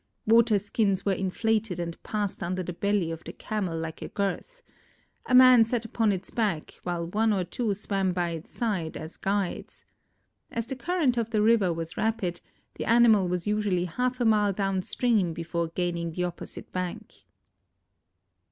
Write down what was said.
"Water skins were inflated and passed under the belly of the Camel like a girth. A man sat upon its back while one or two swam by its side as guides. As the current of the river was rapid, the animal was usually half a mile down stream before gaining the opposite bank."